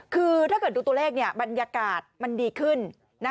คือถ้าเกิดดูตัวเลขบรรยากาศมันดีขึ้น